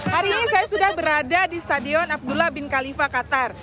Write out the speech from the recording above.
hari ini saya sudah berada di stadion abdullah bin khalifa qatar